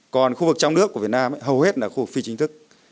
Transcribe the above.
còn khu vực trong nước của việt nam hầu hết là khu vực phi chính thức